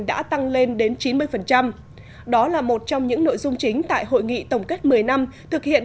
đã tăng lên đến chín mươi đó là một trong những nội dung chính tại hội nghị tổng kết một mươi năm thực hiện